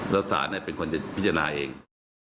แล้วศาลเป็นคนจะพิจารณาเอง